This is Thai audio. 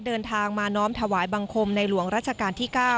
เดินทางมาน้อมถวายบังคมในหลวงรัชกาลที่๙